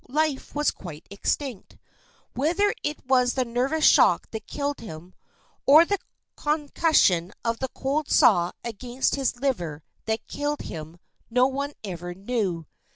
Life was quite extinct. Whether it was the nervous shock that killed him, or the concussion of the cold saw against his liver that killed him no one ever knew.